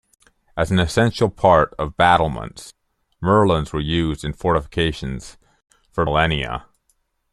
As an essential part of battlements, merlons were used in fortifications for millennia.